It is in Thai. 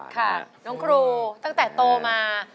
ค่ะน้องครูตั้งแต่โตมา